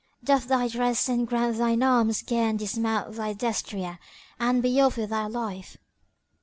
Doff thy dress and ground thine arms gear and dismount thy destrier and be off with thy life!"